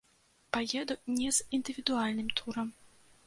Паеду не з індывідуальным турам.